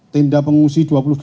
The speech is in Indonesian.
tenda pengungsi dua puluh delapan